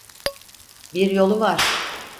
Bir yolu var.